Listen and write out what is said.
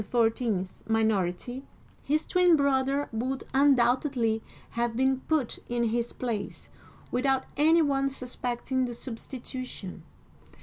*s minority, his twin brother would undoubtedly have been put in his place, without any one suspecting the substitution.